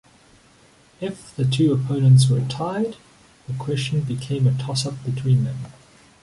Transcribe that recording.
If the two opponents were tied, the question became a toss-up between them.